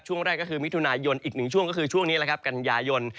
ช่วงแรกก็คือมิถุนายนอีกหนึ่งช่วงก็คือช่วงนี้แหละครับกันยายน